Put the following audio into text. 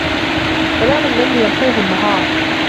كلام الليل يمحوه النهار